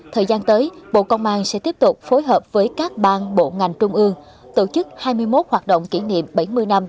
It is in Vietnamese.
thời gian tới bộ công an sẽ tiếp tục phối hợp với các ban bộ ngành trung ương tổ chức hai mươi một hoạt động kỷ niệm bảy mươi năm